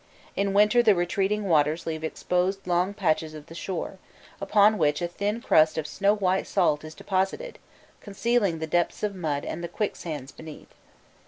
In winter the retreating waters leave exposed long patches of the shore, upon which a thin crust of snow white salt is deposited, concealing the depths of mud and quicksands beneath.